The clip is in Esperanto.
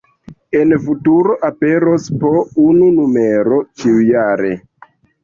En futuro aperos po unu numero ĉiujare.